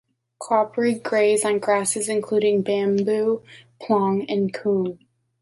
Kouprey graze on grasses, including bamboo, ploong, and koom.